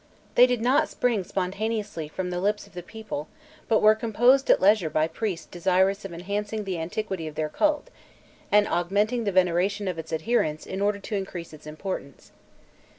They did not spring spontaneously from the lips of the people, but were composed at leisure by priests desirous of enhancing the antiquity of their cult, and augmenting the veneration of its adherents in order to increase its importance.